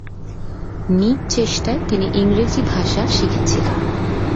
নিজ চেষ্টায় তিনি ইংরেজি ভাষা শিখেছিলেন।